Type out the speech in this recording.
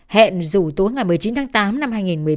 hẹn dù tối ngày một mươi chín tháng tám năm hai nghìn một mươi ba